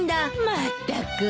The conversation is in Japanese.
まったく。